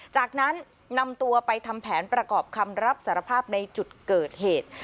จากนั้นนำตัวไปทำแผนประกอบคำรับสารภาพในจุดเกิดเหตุ